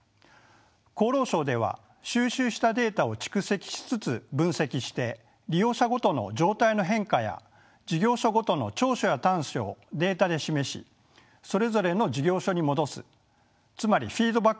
厚労省では収集したデータを蓄積しつつ分析して利用者ごとの状態の変化や事業所ごとの長所や短所をデータで示しそれぞれの事業所に戻すつまりフィードバックをします。